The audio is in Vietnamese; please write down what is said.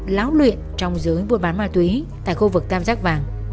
lão luyện trong giới vua bán ma túy tại khu vực tam giác vàng